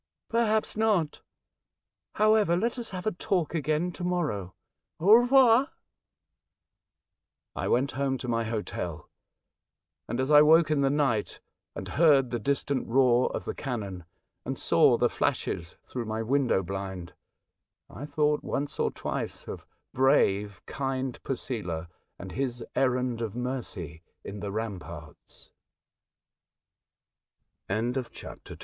" Perhaps not. However, let us have a talk again to morrow. Au revoir !" I went home to my hotel, and as I woke in the night and heard the distant roar of the cannon, and saw the flashes through my window blind, I thought once or twice of brave, kind Posela, and his errand of mercy in